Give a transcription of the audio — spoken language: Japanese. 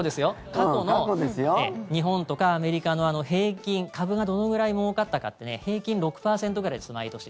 過去の日本とかアメリカの平均、株がどのぐらいもうかったかってね平均６％ぐらいです、毎年。